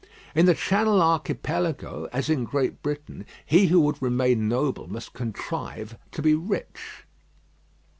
In the Channel archipelago, as in Great Britain, he who would remain noble must contrive to be rich.